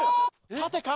縦か？